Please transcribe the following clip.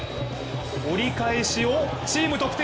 折り返しをチーム得点